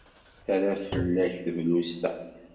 Terra fell-ak tebluzt-a.